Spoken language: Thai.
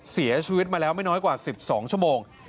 เสียชีวิตมาแล้วไม่น้อยกว่า๑๒ชั่วโมง